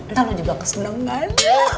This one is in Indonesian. ntar lu juga kesenangan